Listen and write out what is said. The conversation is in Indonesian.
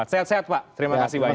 sehat sehat pak terima kasih banyak